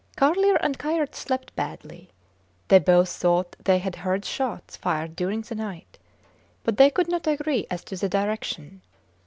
Carlier and Kayerts slept badly. They both thought they had heard shots fired during the night but they could not agree as to the direction.